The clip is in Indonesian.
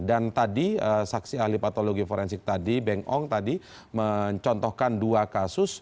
dan tadi saksi ahli patologi forensik tadi beng ong tadi mencontohkan dua kasus